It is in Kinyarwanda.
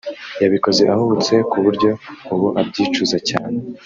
yabikoze ahubutse ku buryo ubu abyicuza cyane